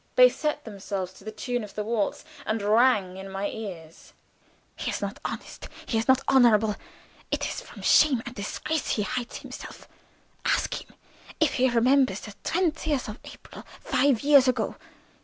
They set themselves to the tune of the waltz, and rang in my ears: "He is not honest; he is not honorable. It is from shame and disgrace that he is hiding. Ask him if he remembers the 20th of April five years ago."